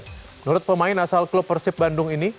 menurut pemain asal klub persib bandung ini